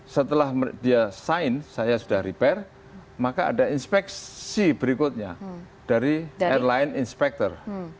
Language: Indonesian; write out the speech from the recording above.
setelah dia sign saya sudah repair maka ada inspeksi berikutnya dari airline inspector